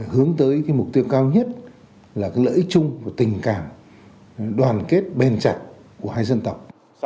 hướng tới mục tiêu cao nhất là lợi ích chung và tình cảm đoàn kết bền chặt của hai dân tộc